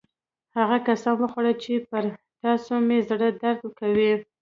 هغه قسم خوري چې پر تاسو مې زړه درد کوي